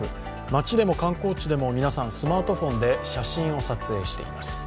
街でも観光地でも皆さん、スマートフォンで写真を撮影しています。